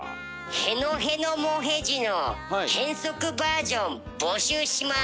「へのへのもへじ」の変則バージョン募集します。